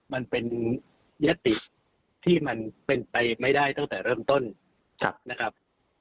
มันเป็นยติที่มันเป็นไปไม่ได้ตั้งแต่เริ่มต้นนะครับ